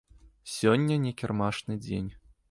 Сёння не кірмашны дзень.